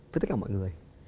với tất cả mọi người